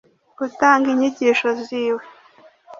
Gutanga inyigisho ziwe